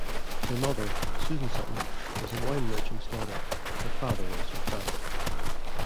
Her mother, Susan Sutton, was a wine merchant's daughter; her father was from France.